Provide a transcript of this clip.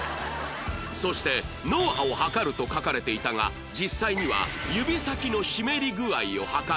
そして脳波を測ると書かれていたが実際には指先の湿り具合を測るもの